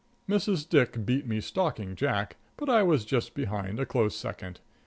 _"] Mrs. Dick beat me stalking Jack, but I was just behind, a close second.